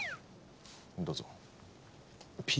どうぞ。